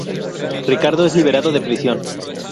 Ricardo es liberado de prisión.